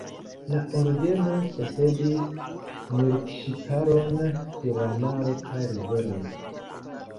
La ordeno posedis militŝiparon sur la maro kaj riveroj.